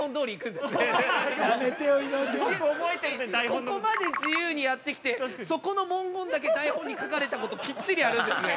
ここまで自由にやってきてそこの文言だけ台本に書かれたこときっちりやるんですね。